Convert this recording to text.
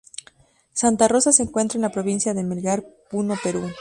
Santa rosa, se encuentra en la provincia de Melgar, Puno, Perú.